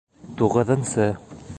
Туғыҙынсы